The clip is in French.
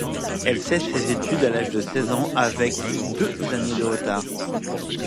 Elle cesse ses études à l'âge de seize ans avec deux années de retard.